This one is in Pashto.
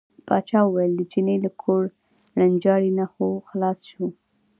پاچا وویل د چیني له کوړنجاري نه خو خلاص شو.